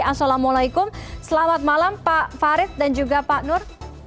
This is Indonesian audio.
assalamualaikum selamat malam pak farid dan juga pak nur